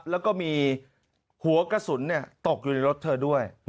แล้วก็มีหัวกระสุนตกอยู่ในรถเธอด้วย